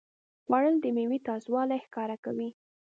خوړل د میوې تازهوالی ښکاره کوي